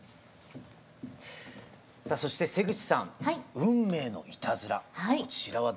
さあそして瀬口さん「運命の悪戯」